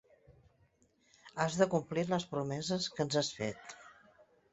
Has de complir les promeses que ens has fet!